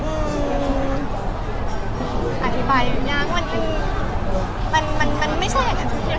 อืมอธิบายอยู่ยังวันนี้มันไม่ใช่อย่างนั้นสุดท้าย